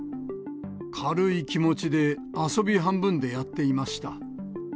軽い気持ちで、遊び半分でやっていました。